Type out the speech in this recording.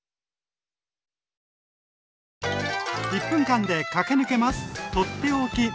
１分間で駆け抜けます！